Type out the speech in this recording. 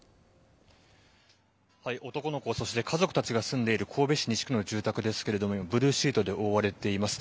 男の子、そして家族たちが住んでいる神戸市西区の住宅ですがブルーシートで覆われています。